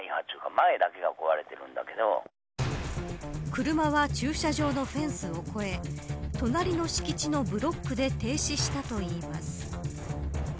車は駐車場のフェンスを越え隣の敷地のブロックで停止したといいます。